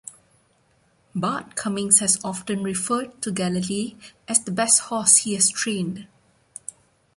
Bart Cummings has often referred to Galilee as the best horse he has trained.